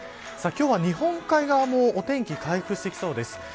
今日は日本海側もお天気回復してきそうです。